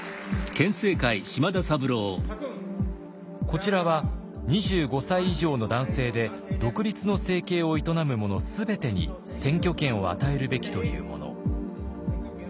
こちらは２５歳以上の男性で独立の生計を営む者全てに選挙権を与えるべきというもの。